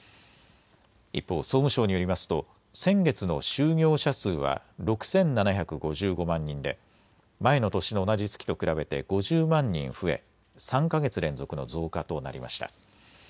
一方、総務省によりますと先月の就業者数は６７５５万人で前の年の同じ月と比べて５０万人増え３か月連続の増加となりました。